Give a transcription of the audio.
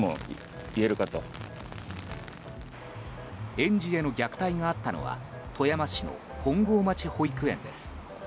園児への虐待があったのは富山市の本郷町保育園です。